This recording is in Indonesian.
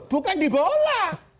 bukan di bola